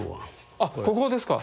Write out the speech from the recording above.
あっここですか。